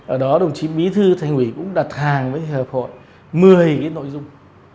ở đó đồng chí bí thư thành hủy cũng đặt hàng với hiệp hội một mươi nội dung